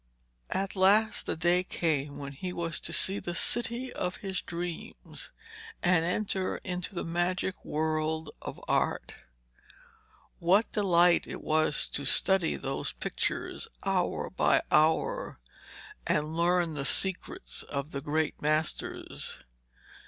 At last the day came when he was to see the city of his dreams, and enter into that magic world of Art. What delight it was to study those pictures hour by hour, and learn the secrets of the great masters.